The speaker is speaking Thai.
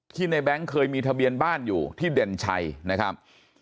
ในแบงค์เคยมีทะเบียนบ้านอยู่ที่เด่นชัยนะครับ